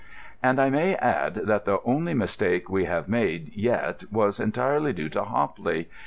And I may add that the only mistake we have made yet was entirely due to Hopley.